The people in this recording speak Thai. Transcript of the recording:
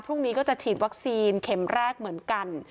พรุ่งนี้ก็จะฉีดวัคซีนเข็มแรกเหมือนกัน